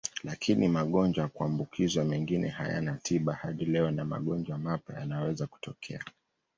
Lakini magonjwa ya kuambukizwa mengine hayana tiba hadi leo na magonjwa mapya yanaweza kutokea.